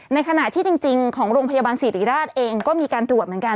ในขณะที่จริงของโรงพยาบาลศิริราชเองก็มีการตรวจเหมือนกัน